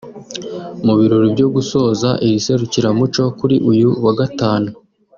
Mu birori byo gusoza iri serukiramuco kuri uyu wa Gatanu